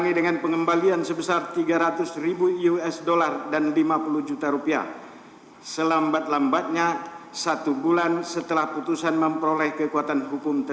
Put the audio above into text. tiga menjatuhkan pidana kepada terdakwa dua subiharto